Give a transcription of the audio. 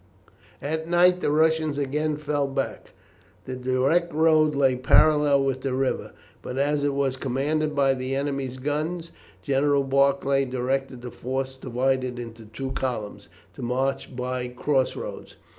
At night the Russians again fell back. The direct road lay parallel with the river, but as it was commanded by the enemy's guns General Barclay directed the force, divided into two columns, to march by cross roads.